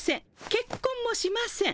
結婚もしません。